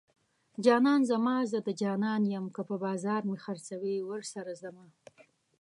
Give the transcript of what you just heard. جانان زما زه د جانان یم که په بازار مې خرڅوي ورسره ځمه